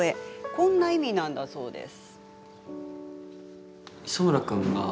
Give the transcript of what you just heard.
こんな意味なんだそうです。